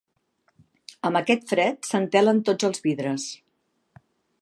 Amb aquest fred s'entelen tots els vidres.